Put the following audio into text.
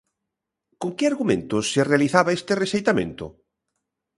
Con que argumentos se realizaba este rexeitamento?